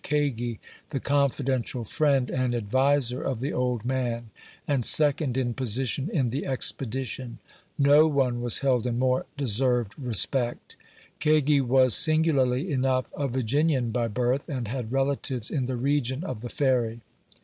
Kagi, the confidential friend and adviser of the old man, and second in position in the expedition; no one was held in more deserved respect. Kagi was, singularly enough, a Virginian by birth, and had relatives in the region of the Ferry.